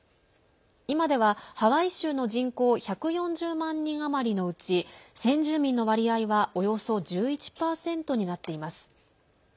今では、ハワイ州の人口１４０万人余りのうち先住民の割合はおよそ１１％になっています。